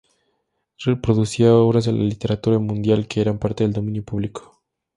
Reproducía obras de la literatura mundial que eran parte del dominio público.